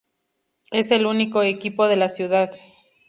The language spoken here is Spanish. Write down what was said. Es el único equipo de la ciudad.